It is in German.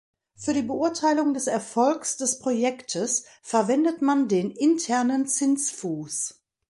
Für die Beurteilung des Erfolgs des Projektes verwendet man den internen Zinsfuß.